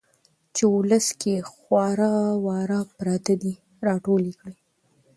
چې ولس کې خواره واره پراته دي را ټول يې کړي.